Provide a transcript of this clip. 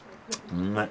うまい。